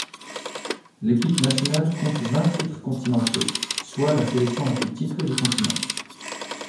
L'équipe nationale compte vingt titres continentaux, soit la sélection la plus titrée du continent.